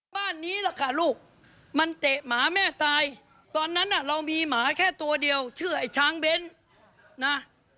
บ้านนี้แหละค่ะลูกมันเตะหมาแม่ตายตอนนั้นน่ะเรามีหมาแค่ตัวเดียวชื่อไอ้ช้างเบ้นนะ